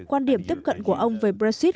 quan điểm tiếp cận của ông về brexit